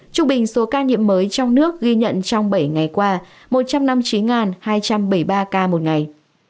trung bình số ca nhiễm mới trong nước ghi nhận trong bảy ngày qua một trăm năm mươi chín hai trăm bảy mươi ba ca một ngày